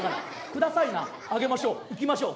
「下さいなあげましょう行きましょう」